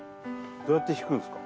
どうやって敷くんですか？